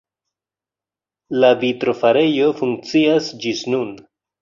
La vitrofarejo funkcias ĝis nun.